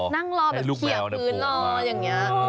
นั่งรอแบบเขียพื้นรออย่างนี้